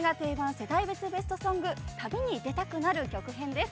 世代別ベストソング』「旅に出たくなる曲」編です。